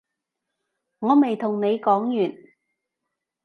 我未同你講完